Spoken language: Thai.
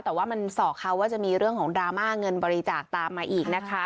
แต่ว่ามันสอกเขาว่าจะมีเรื่องของดราม่าเงินบริจาคตามมาอีกนะคะ